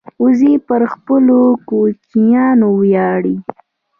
وزې پر خپلو کوچنیانو ویاړي